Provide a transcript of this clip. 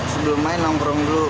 sebelum main nongkrong dulu